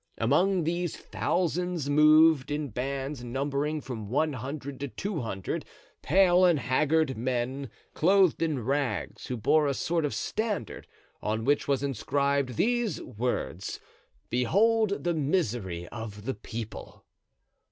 Among these thousands moved, in bands numbering from one hundred to two hundred, pale and haggard men, clothed in rags, who bore a sort of standard on which was inscribed these words: "Behold the misery of the people!"